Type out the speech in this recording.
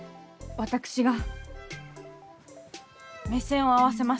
私が目線を合わせます。